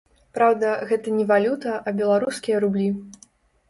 Праўда, гэта не валюта, а беларускія рублі.